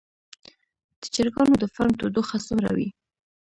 د چرګانو د فارم تودوخه څومره وي؟